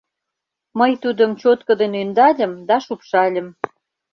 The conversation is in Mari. Мый тудым чоткыдын ӧндальым да шупшальым.